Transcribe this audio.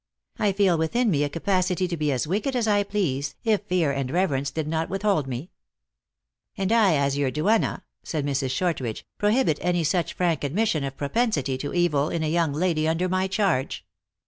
I feel within me a capacity to be as wicked as I please, if fear and reverence did not with hold me." " And I, as your duenna," said Mrs. Shortridge, " prohibit any such frank admission of propensity to evil in a young lady under my charge."